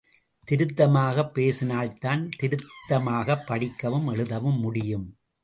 திருத்தமாகப் பேசினால்தான் திருத்தமாகப் படிக்கவும் எழுதவும் முடியும்.